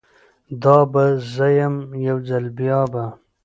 دا به زه یم، یوځل بیا به